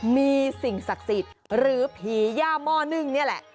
มีสิ่งศักดิ์สิทธิ์หรือผีย่าหม้อนึ่งนี่แหละ